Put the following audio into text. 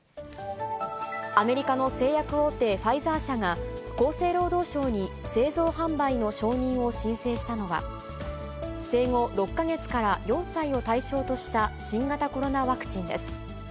アメリカの製薬大手、ファイザー社が、厚生労働省に製造販売の承認を申請したのは、生後６か月から４歳を対象とした新型コロナワクチンです。